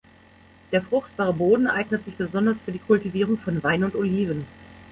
Der fruchtbare Boden eignet sich besonders für die Kultivierung von Wein und Oliven.